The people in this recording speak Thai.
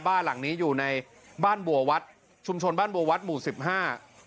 บ้านหลังนี้อยู่ในบ้านบัววัดชุมชนบ้านบัววัดหมู่สิบห้า